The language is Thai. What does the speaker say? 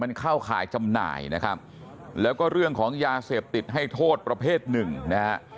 มันเข้าข่ายจำหน่ายนะครับแล้วก็เรื่องของยาเสพติดให้โทษประเภทหนึ่งนะฮะ